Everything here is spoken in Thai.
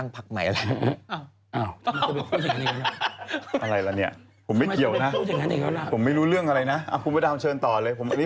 ผมไม่รู้เรื่องอะไรนะคุณพระดำเชิญต่อเลย